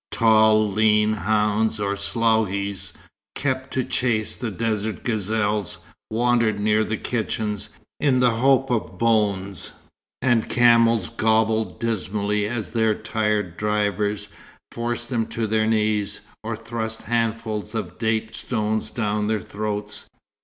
Tall, lean hounds or sloughis, kept to chase the desert gazelles, wandered near the kitchens, in the hope of bones, and camels gobbled dismally as their tired drivers forced them to their knees, or thrust handfuls of date stones down their throats.